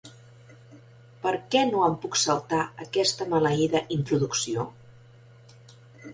Per què no em puc saltar aquesta maleïda introducció?